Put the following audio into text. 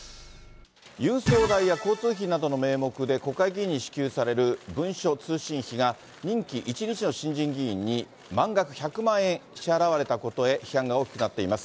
郵送代や交通費などの名目で、国会議員に支給される文書通信費が任期１日の新人議員に満額１００万円支払われたことへ、批判が大きくなっています。